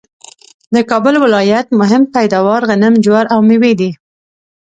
د کابل ولایت مهم پیداوار غنم ،جوار ، او مېوې دي